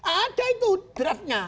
ada itu draftnya